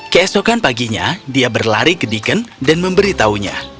keesokan paginya dia berlari ke deacon dan memberitahunya